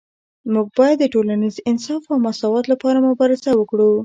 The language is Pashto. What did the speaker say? موږ باید د ټولنیز انصاف او مساوات لپاره مبارزه وکړو